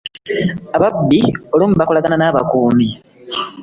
Ababbi olumu bakolagana nabakumi.